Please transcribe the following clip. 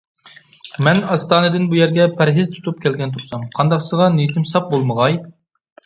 مەن ئاستانىدىن بۇ يەرگە پەرھىز تۇتۇپ كەلگەن تۇرسام، قانداقسىغا نىيىتىم ساپ بولمىغاي؟